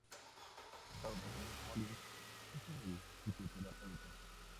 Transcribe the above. Jaume Molins es el fisioterapeuta.